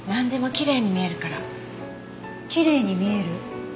きれいに見える？